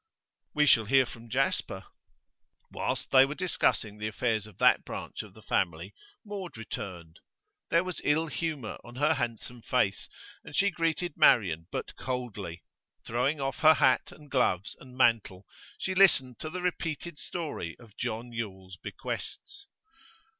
'We shall hear from Jasper.' Whilst they were discussing the affairs of that branch of the family, Maud returned. There was ill humour on her handsome face, and she greeted Marian but coldly. Throwing off her hat and gloves and mantle she listened to the repeated story of John Yule's bequests.